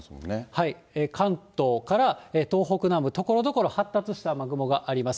関東から東北南部、ところどころ、発達した雨雲があります。